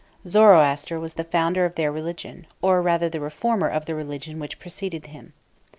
Zoroaster was the founder of their religion, or rather the reformer of the religion which preceded him.